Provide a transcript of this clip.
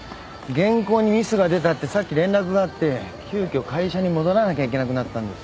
原稿にミスが出たってさっき連絡があって急きょ会社に戻らなきゃいけなくなったんです。